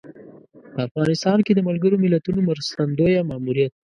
په افغانستان کې د ملګر ملتونو مرستندویه ماموریت